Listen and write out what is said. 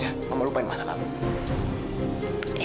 ya mama lupa yang masalah